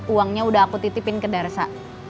uangnya udah aku titipin ke darsa